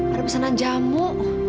ada pesanan jamu